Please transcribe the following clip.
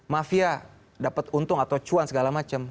mafia dapat untung atau cuan segala macam